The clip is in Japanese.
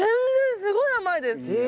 すごい甘いです。え。